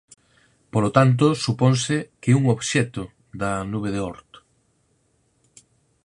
Polo tanto suponse que é un obxecto da Nube de Oort.